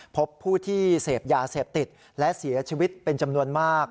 พบผู้ที่เสพยาเสพติดและเสียชีวิตเป็นจำนวนมาก